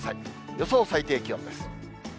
予想最低気温です。